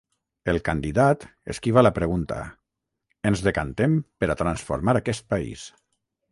El candidat esquiva la pregunta: ‘Ens decantem per a transformar aquest país’.